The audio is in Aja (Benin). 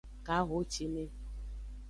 Kahocine.